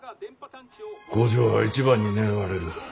工場は一番に狙われる。